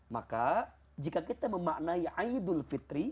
maka jika kita memaknai aidul fitri